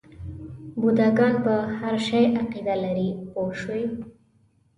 بوډاګان په هر شي عقیده لري پوه شوې!.